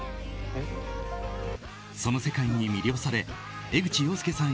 その世界に魅了され江口洋介さん